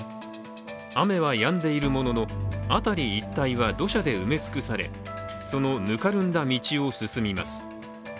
雨はやんでいるものの、辺り一帯は土砂で埋め尽くされそのぬかるんだ道を進みます。